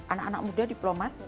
anak anak muda diplomat